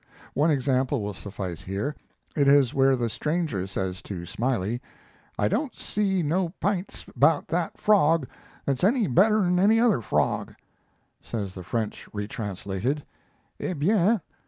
One example will suffice here. It is where the stranger says to Smiley, "I don't see no p'ints about that frog that's any better'n any other frog." Says the French, retranslated: "Eh bien!